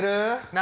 何？